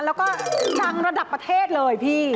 แล้วก็ดังระดับประเทศเลยพี่